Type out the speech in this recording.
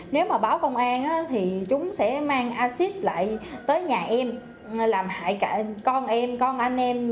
nếu mà báo công an thì chúng sẽ mang acid lại tới nhà em làm hại cả con em con anh em